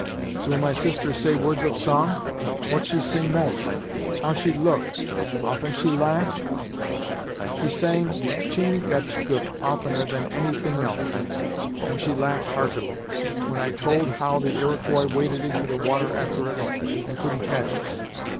"Will my sister say words of song? What she sing most how she look often she laugh?" "She sang Chin gach gook oftener than any thing else; and she laughed heartily, when I told how the Iroquois waded into the water after us, and couldn't catch us.